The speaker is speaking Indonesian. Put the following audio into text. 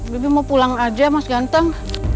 bibi mau pulang aja mas ganteng